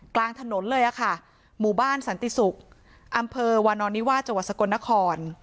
กลางถนนเลยค่ะหมู่บ้านสันติศุกร์อำเภอวานอนนิวาสจังหวัดสกลนคร